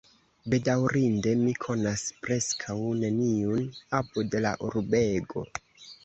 Bedaŭrinde, mi konas preskaŭ neniun apud la urbego.